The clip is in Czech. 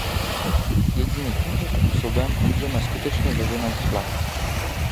Jedině tímto způsobem můžeme skutečně vyvinout tlak.